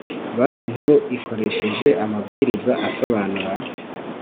Banki Nkuru ikoresheje amabwiriza isobanura